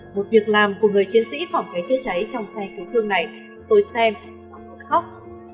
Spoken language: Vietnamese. một việc làm của người chiến sĩ phòng cháy chữa cháy trong xe cứu thương này tôi xem khóc